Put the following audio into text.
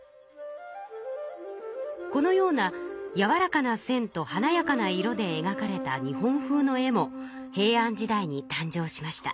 このようなやわらかな線とはなやかな色でえがかれた日本風の絵も平安時代に誕生しました。